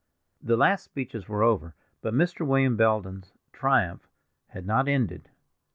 The last speeches were over, but Mr. William Belden's triumph had not ended.